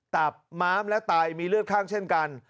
ตับม้ามและไตมีเลือดข้างเช่นกัน